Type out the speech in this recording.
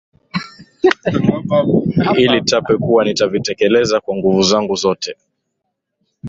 hili tape kuwa nitavitekeleza kwa nguvu zangu zote